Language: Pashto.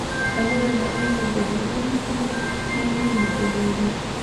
د نورې نړۍ په بهیرونو کې یې لېدلي وو.